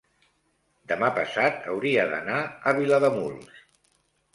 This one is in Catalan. demà passat hauria d'anar a Vilademuls.